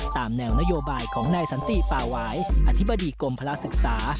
ตามแนวนโยบายของนายสันติป่าวายอธิบดีกรมพลักษึกษา